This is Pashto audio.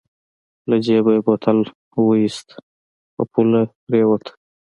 له جېبه يې بوتل واېست په پوله پرېوت.